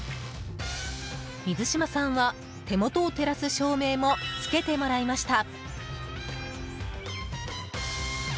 水島さんは、手元を照らす照明も付けてもらいました。